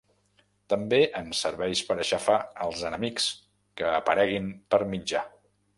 També ens serveix per aixafar als enemics que apareguin per mitjà.